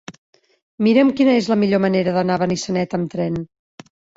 Mira'm quina és la millor manera d'anar a Benissanet amb tren.